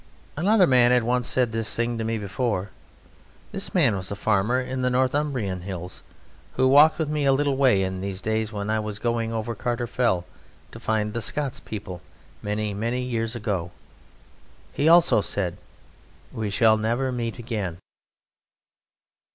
Another man had once said this thing to me before. This man was a farmer in the Northumbrian hills, who walked with me a little way in the days when I was going over Carter Fell to find the Scots people, many, many years ago. He also said: "We shall never meet again!"